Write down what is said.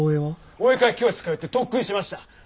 お絵描き教室通って特訓しました！